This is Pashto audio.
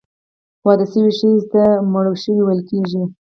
واده سوي ښځي ته، مړوښې ویل کیږي.